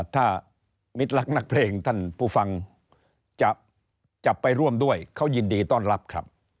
ถ้ามิดรักนักเพลงท่านผู้ฟังจะไปร่วมด้วยเขายินดีต้อนรับครับ